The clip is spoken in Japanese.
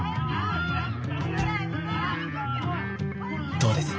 どうです？